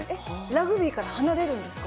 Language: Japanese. ラグビーから離れるんですか？